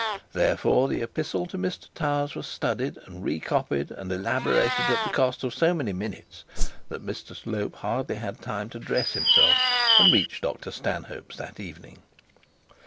Therefor the epistle to Mr Towers was studied, and recopied, and elaborated at the cost of so many minutes, that Mr Slope had hardly time to dress himself and reach Dr Stanhope's that evening.